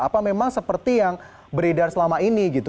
apa memang seperti yang beredar selama ini gitu